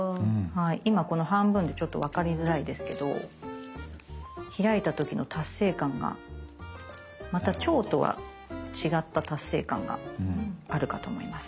今この半分でちょっと分かりづらいですけど開いた時の達成感がまた蝶とは違った達成感があるかと思います。